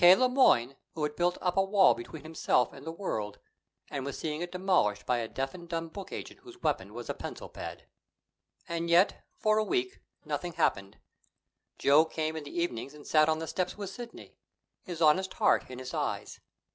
Le Moyne, who had built up a wall between himself and the world, and was seeing it demolished by a deaf and dumb book agent whose weapon was a pencil pad! And yet, for a week nothing happened: Joe came in the evenings and sat on the steps with Sidney, his honest heart, in his eyes.